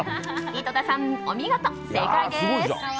井戸田さん、お見事、正解です！